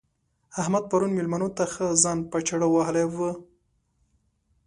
احمد پرون مېلمنو ته ښه ځان په چاړه وهلی وو.